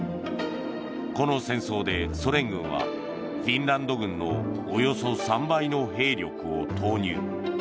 この戦争で、ソ連軍はフィンランド軍のおよそ３倍の兵力を投入。